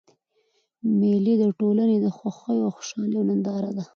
مېلې د ټولني د خوښیو او خوشحالۍ ننداره ده.